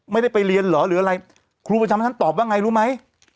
ไม่ได้ไปเรียนเหรอหรืออะไรครูประจำชั้นตอบว่าไงรู้ไหม